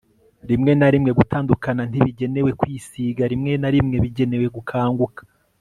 rimwe na rimwe gutandukana ntibigenewe kwisiga, rimwe na rimwe bigenewe gukanguka